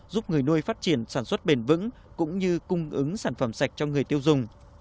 giúp người nuôi phát triển sản xuất bền vững cũng như cung ứng sản phẩm sạch cho người tiêu dùng